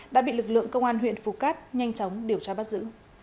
đã bị lực lượng công an huyện phù cát nhanh chóng điều tra bắt giữ